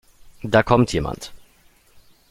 Da kommt jemand.